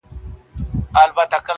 چي كله مخ ښكاره كړي ماته ځېرسي اې ه.